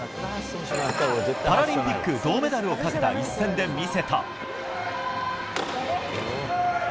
パラリンピック銅メダルをかけた一戦で見せた。